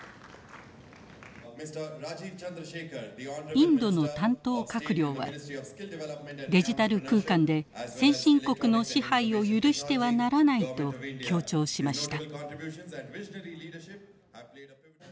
インドの担当閣僚はデジタル空間で先進国の支配を許してはならないと強調しました。